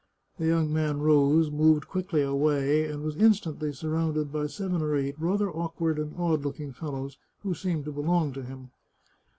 The young man rose, moved quickly away, and was instantly surrounded by seven or eight rather awkward and odd looking fellows, who seemed to belong to him.